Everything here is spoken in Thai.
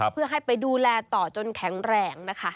เพื่อให้ไปดูแลต่อจนแข็งแรงนะคะ